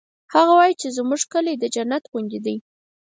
هغه وایي چې زموږ کلی د جنت غوندی ده